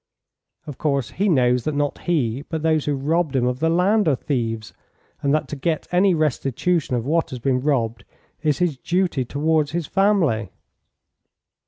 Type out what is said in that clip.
Of course he knows that not he but those who robbed him of the land are thieves, and that to get any restitution of what has been robbed is his duty towards his family."